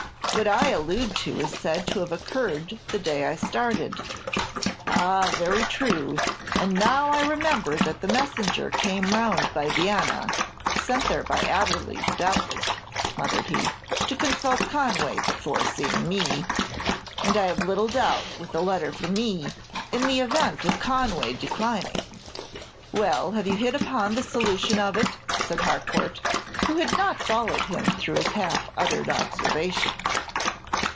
What I allude to is said to have occurred the day I started." "Ah, very true; and now I remember that the messenger came round by Vienna, sent there by Adderley, doubtless," muttered he, "to consult Conway before seeing me; and, I have little doubt, with a letter for me in the event of Conway declining." "Well, have you hit upon the solution of it?" said Har court, who had not followed him through his half uttered observation.